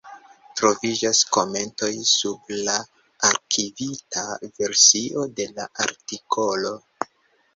Troviĝas komentoj sub la arkivita versio de la artikolo.